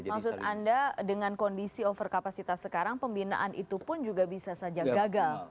maksud anda dengan kondisi over kapasitas sekarang pembinaan itu pun juga bisa saja gagal